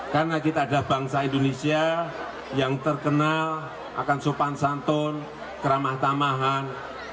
karena kita adalah bangsa indonesia yang terkenal akan sopan santun keramah tamahan